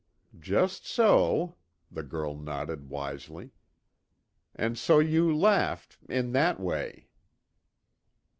"Just so," the girl nodded wisely. "And so you laughed in that way."